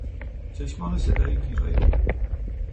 چشمان و صدای گیرای او